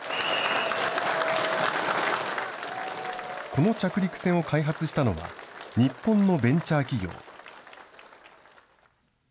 この着陸船を開発したのは、日本のベンチャー企業。